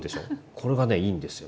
これがねいいんですよ。